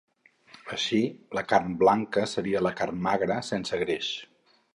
Així, la carn blanca seria la carn magra, sense greix.